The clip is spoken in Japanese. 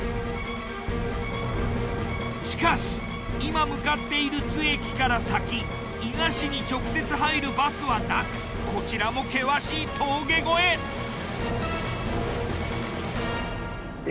しかし今向かっている津駅から先東に直接入るバスはなくこちらも険しい峠越え。